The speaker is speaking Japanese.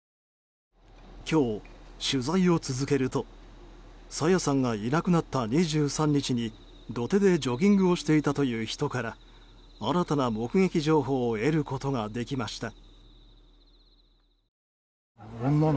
今日、取材を続けると朝芽さんがいなくなった２３日に土手でジョギングをしていたという人から新たな目撃情報を得ることができました。